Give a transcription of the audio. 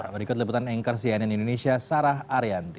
berikut lebutan anchor cnn indonesia sarah ariyanti